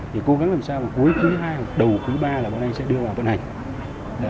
thì cố gắng làm sao mà cuối thứ hai đầu thứ ba là bọn ấy sẽ đưa vào vận hành